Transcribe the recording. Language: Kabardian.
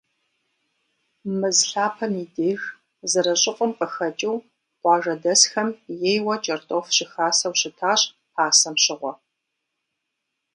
Мэз лъапэм и деж, зэрыщӏыфӏым къыхэкӏыу, къуажэдэсхэм ейуэ кӏэртӏоф щыхасэу щытащ пасэм щыгъуэ.